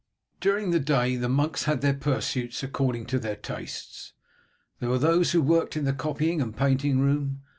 During the day the monks had their pursuits according to their tastes. There were those who worked in the copying and painting room.